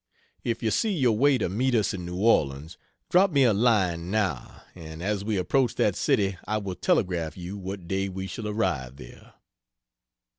If you see your way to meet us in New Orleans, drop me a line, now, and as we approach that city I will telegraph you what day we shall arrive there.